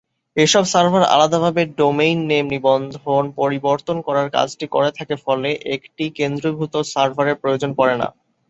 এসব সার্ভার আলাদাভাবে domain name নিবন্ধন, পরিবর্তন করার কাজটি করে থাকে ফলে একটি কেন্দ্রীভূত সার্ভারের প্রয়োজন পড়ে না।